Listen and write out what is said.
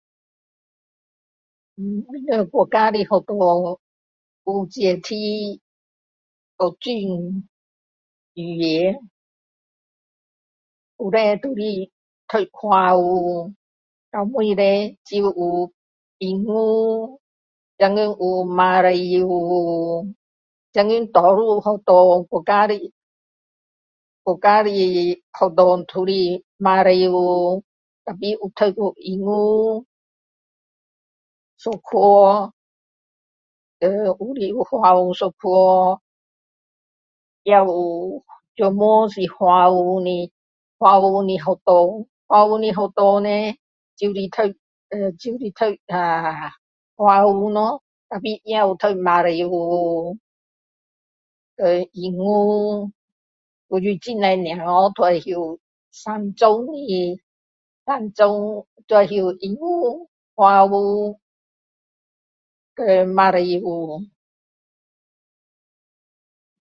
我们国家的学校，有支持多种语言。以前都是读华文。后来呢就有英文，现在有马来文。现今多数学校国家的，国家的学校都是马来文，但是也有读英文一科。还有华文一科。也有专门是华文的，华文的学校。华文的学校呢，就是读，就是读[ahh]华文咯，但是也有读马来文，和英文。如今很多小孩都会三种的，三种都会英文，华文和马来文。